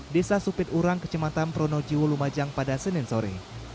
desa supiturang kecematan pronojiwo lumajang pada senin sore